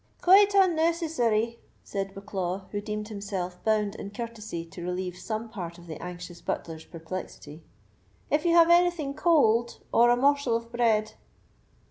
"Quite unnecessary," said Bucklaw, who deemed himself bound in courtesy to relieve some part of the anxious butler's perplexity, "if you have anything cold, or a morsel of bread."